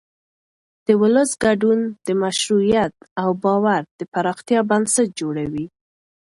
د ولس ګډون د مشروعیت او باور د پراختیا بنسټ جوړوي